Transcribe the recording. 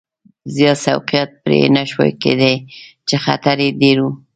زیات سوقیات پرې نه شوای کېدای چې خطر یې ډېر و.